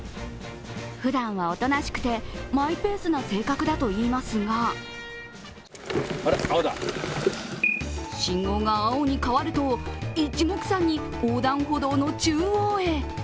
ふだんはおとなしくて、マイペースな性格だといいますが信号が青に変わると一目散に横断歩道の中央へ。